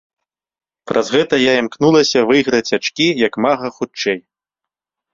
Праз гэта я імкнулася выйграваць ачкі як мага хутчэй.